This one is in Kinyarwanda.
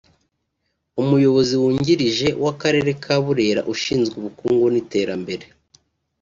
Umuyobozi wungirije w’akarere ka Burera ushinzwe ubukungu n’iterambere